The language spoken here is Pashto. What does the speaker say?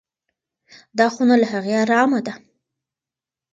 دا خونه له هغې ارامه ده.